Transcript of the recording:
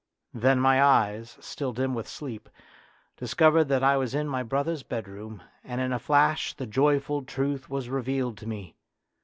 Then my eyes, still dim with sleep, discovered that I was in my brother's bedroom, and in a flash the joyful truth was revealed to me.